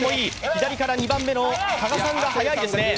左から２番目の加賀さんが早いですね。